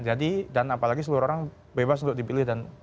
jadi dan apalagi seluruh orang bebas untuk dipilih dan memilih itu kan